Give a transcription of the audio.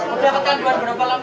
udah ketahuan berapa lama pak